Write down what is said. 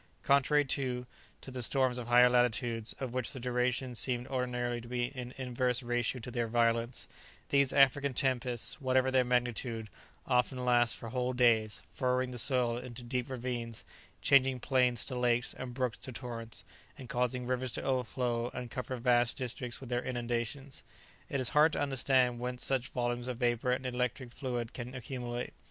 Contrary, too, to the storms of higher latitudes, of which the duration seems ordinarily to be in inverse ratio to their violence, these African tempests, whatever their magnitude, often last for whole days, furrowing the soil into deep ravines, changing plains to lakes and brooks to torrents, and causing rivers to overflow and cover vast districts with their inundations. It is hard to understand whence such volumes of vapour and electric fluid can accumulate.